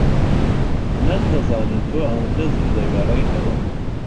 نەمدەزانی تۆ ئەوەندە زوو دەگەڕێیتەوە.